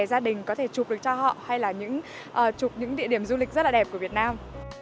gia đình có thể chụp được cho họ hay là những địa điểm du lịch rất là đẹp của việt nam